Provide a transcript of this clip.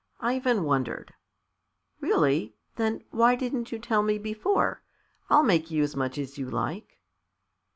Ivan wondered. "Really? Then why didn't you tell me before? I'll make you as much as you like."